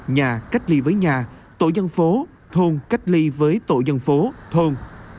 nhà cách ly với nhà tổ dân phố thôn cách ly với tổ dân phố thôn